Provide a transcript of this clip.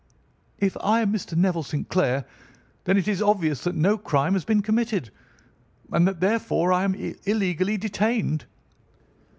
"If I am Mr. Neville St. Clair, then it is obvious that no crime has been committed, and that, therefore, I am illegally detained."